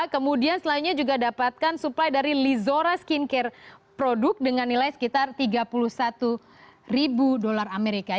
kemudian selanjutnya juga dapatkan suplai dari lizora skincare produk dengan nilai sekitar tiga puluh satu ribu dolar amerika